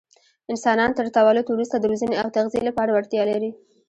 انسانان تر تولد وروسته د روزنې او تغذیې لپاره وړتیا لري.